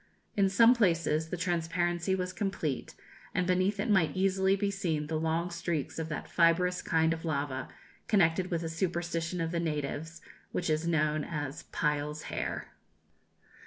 In some places the transparency was complete, and beneath it might easily be seen the long streaks of that fibrous kind of lava, connected with a superstition of the natives, which is known as "Pile's hair."